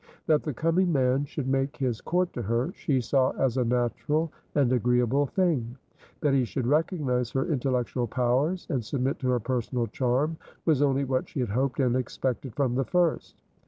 That the coming man should make his court to her, she saw as a natural and agreeable thing; that he should recognise her intellectual powers, and submit to her personal charm, was only what she had hoped and expected from the first.